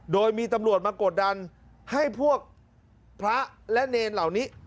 โดยมีตำรวจมากดดันให้พวกพระและเนรเหล่านี้